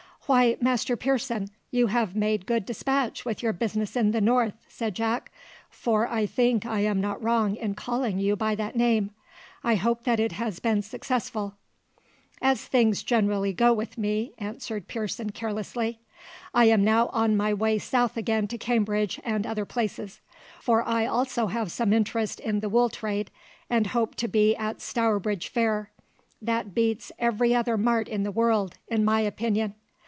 "Why, Master Pearson, you have made good despatch with your business in the north," said Jack; "for I think I am not wrong in calling you by that name. I hope that it has been successful." "As things generally go with me," answered Pearson carelessly. "I am now on my way south again to Cambridge and other places; for I also have some interest in the wool trade, and hope to be at Stourbridge Fair: that beats every other mart in the world, in my opinion."